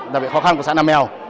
đặc biệt khó khăn của xã nam mèo